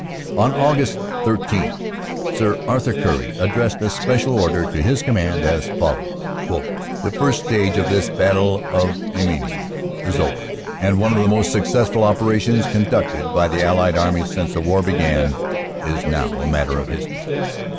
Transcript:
On. Aug. 13 Sir Arthur Currie addressed a special order to his Command, as follows : "The first stage of this Battle of Amiens is over, and one of the most successful operations conducted by the Allied Armies since the war began is now a matter of history.